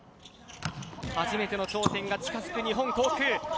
初めての頂点が近づく日本航空。